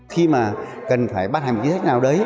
khi mà cần phải bắt hành một kế hoạch nào đấy